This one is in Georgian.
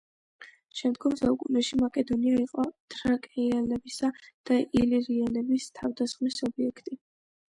შემდგომ საუკუნეში მაკედონია იყო თრაკიელებისა და ილირიელების თავდასხმის ობიექტი.